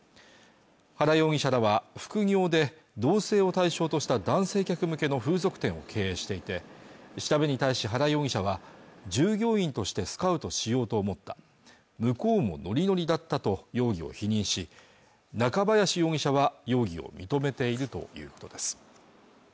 原容疑者らは副業で同性を対象とした男性客向けの風俗店を経営していて調べに対し原容疑者は従業員としてスカウトしようと思った向こうもノリノリだったと容疑を否認し中林容疑者は容疑を認めているということです